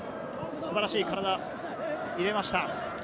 素晴らしい体が見えました。